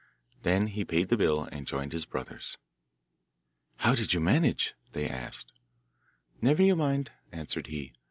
Then he paid the bill and joined his brothers. 'How did you manage?' they asked. 'Never you mind,' answered he.